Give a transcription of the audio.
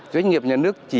doanh nghiệp nhà nước